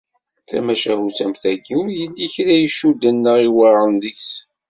Tamacahut am tagi, ur yelli kra icudden neɣ iweɛṛen deg-s.